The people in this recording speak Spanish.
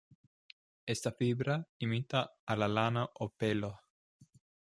Esta fibra imita a la lana o pelo.